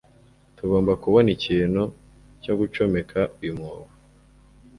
Tugomba kubona ikintu cyo gucomeka uyu mwobo.